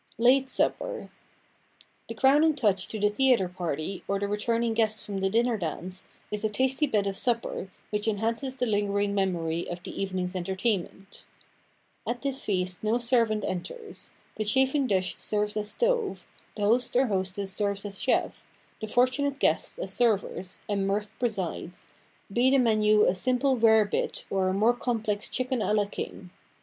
After Theatre Supper Service Rarebit and tasty bite in readiness JPate Supper THE crowning touch to the theater party or the returning guests from the dinner dance is a tasty bit of supper which enhances the lingering memory of the evening's entertainment. At this feast no servant enters; the chafing dish serves as stove, the host or hostess serves as chef, the fortunate guests as servers, and mirth presides, be the menu a simple rarebit or a more complex chicken a la King.